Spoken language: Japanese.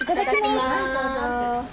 はいどうぞ。